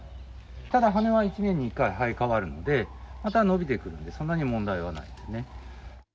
ただ、羽は１年に１回生えかわるので、また伸びてくるんで、そんなに問題はないんですね。